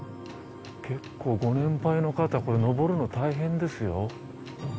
結構ご年配の方これ上るの大変ですよ。